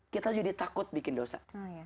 kita jadi takut bikin dosa